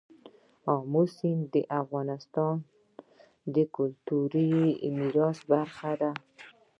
آمو سیند د افغانستان د کلتوري میراث برخه ده.